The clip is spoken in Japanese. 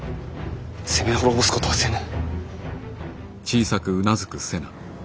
攻め滅ぼすことはせぬ。